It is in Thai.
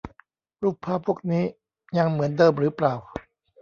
รูปภาพพวกนี้ยังเหมือนเดิมหรือเปล่า